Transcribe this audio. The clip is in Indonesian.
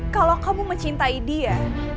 kalau kamu mencintai dia